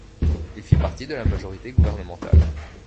Il fit partie de la majorité gouvernementale.